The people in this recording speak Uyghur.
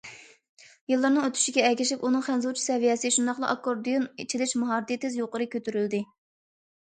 يىللارنىڭ ئۆتۈشىگە ئەگىشىپ، ئۇنىڭ خەنزۇچە سەۋىيەسى، شۇنداقلا ئاككوردىيون چېلىش ماھارىتى تېز يۇقىرى كۆتۈرۈلدى.